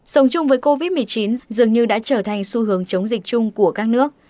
sống chung với covid một mươi chín dường như đã trở thành xu hướng chống dịch chung của các nước